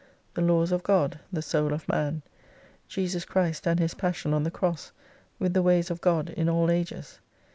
The Laws of God, the Soul of Man, Jesus Christ and His Passion on the Cross, with the ways of God in all Ages.